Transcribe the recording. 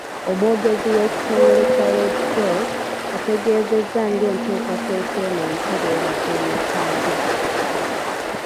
Omwogezi w'ekitongole kya Red Cross, ategeezezza ng'enteekateeka eno empya bw'ebadde yeetaagisa .